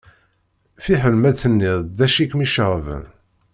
Fiḥel ma tenniḍ-d d acu i kem-iceɣben.